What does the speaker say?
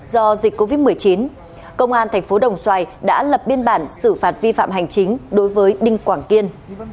do dịch covid một mươi chín công an thành phố đồng xoài đã lập biên bản xử phạt vi phạm hành chính đối với đinh quảng kiên